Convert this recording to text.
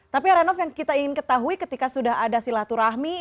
tapi heranov yang kita ingin ketahui ketika sudah ada silaturahmi